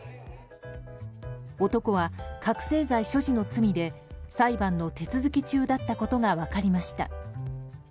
男は、覚醒剤所持の罪で裁判の手続き中だったことが分かりました。